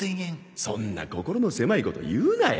そんな心の狭いこと言うなや。